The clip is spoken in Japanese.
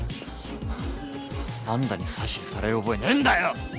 あんたに指図される覚えねえんだよ！